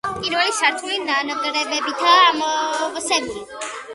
პირველი სართული ნანგრევებითაა ამოვსებული.